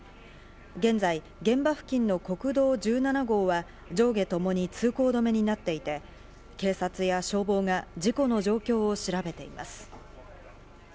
現在、現場付近の国道１７号は上下ともに通行止めになっていて、警察や消防が事故の状況を調べています。